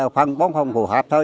phân bón phân phù hợp thôi